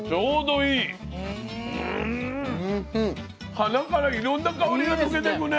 鼻からいろんな香りが抜けてくね。